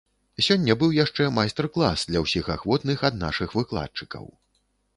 Сёння быў яшчэ майстар-клас для ўсіх ахвотных ад нашых выкладчыкаў.